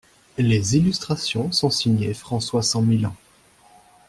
Les illustrations sont signées François San Millan.